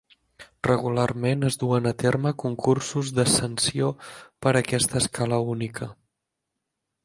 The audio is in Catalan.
Regularment, es duen a terme concursos d'ascensió per aquesta escala única.